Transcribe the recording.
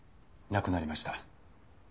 亡くなりました。